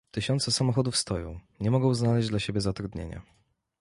Tysiące samochodów stoją, nie mogą znaleźć dla siebie zatrudnienia